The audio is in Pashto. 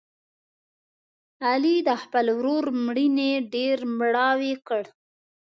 علي د خپل ورور مړینې ډېر مړاوی کړ.